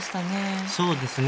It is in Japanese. そうですね。